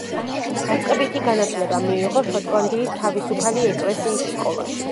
დაწყებითი განათლება მიიღო შოტლანდიის თავისუფალი ეკლესიის სკოლაში.